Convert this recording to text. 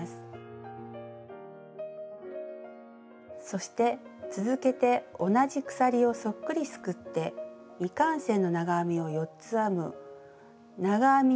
そして続けて同じ鎖をそっくりすくって未完成の長編みを４つ編む長編み